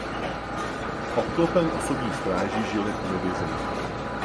Obklopen osobní stráží žil jako ve vězení.